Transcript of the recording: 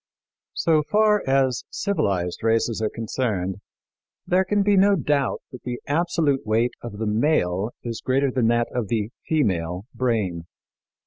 So far as civilized races are concerned, there can be no doubt that the absolute weight of the male is greater than that of the female brain.